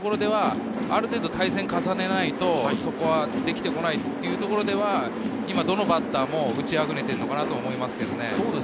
ある程度対戦を重ねないとできてこないというところでは、今、どのバッターも打ちあぐねているのかと思います。